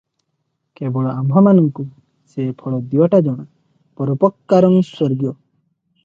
କେବଳ ଆମ୍ଭମାନଙ୍କୁ ସେ ଫଳ ଦିଓଟି ଜଣା 'ପରୋପକାରଂ ସ୍ୱର୍ଗୀୟ' ।